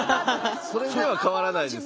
それでは変わらないですけど。